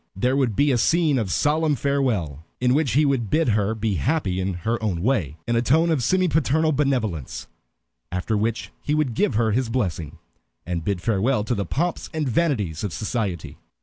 There would be a scene of solemn farewell, in which he would bid her be happy in her own way, in a tone of semi paternal benevolence, after which he would give her his blessing, and bid farewell to the pomps and vanities of society.